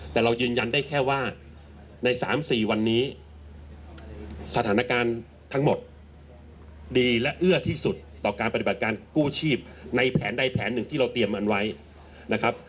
แต่เรายืนยันได้แค่ว่าใน๓๔วันนี้สถานการณ์ทั้งหมดดีและเอื้อที่สุดต่อการปฏิบัติการกู้ชีพในแผนใดแผนหนึ่งที่เราเตรียมอันไว้นะครับ